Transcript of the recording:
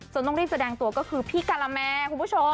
ต้องรีบแสดงตัวก็คือพี่การาแมคุณผู้ชม